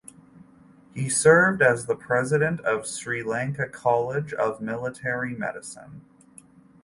He served as the President of Sri Lanka College of Military Medicine.